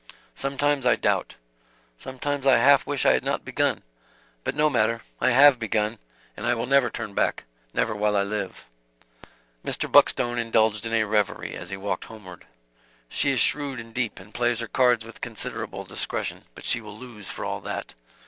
Sometimes I doubt. Sometimes I half wish I had not begun. But no matter; I have begun, and I will never turn back; never while I live." Mr. Buckstone indulged in a reverie as he walked homeward: "She is shrewd and deep, and plays her cards with considerable discretion but she will lose, for all that.